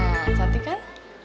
nah cantik kan